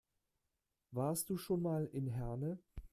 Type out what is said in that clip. Warst du schon mal in Herne?